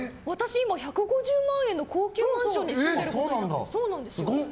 今、１５０万円の高級マンションに住んでることになってる。